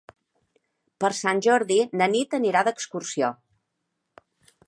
Per Sant Jordi na Nit anirà d'excursió.